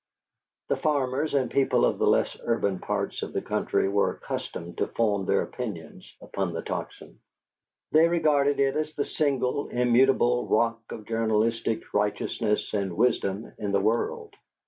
The farmers and people of the less urban parts of the country were accustomed to found their opinions upon the Tocsin. They regarded it as the single immutable rock of journalistic righteousness and wisdom in the world.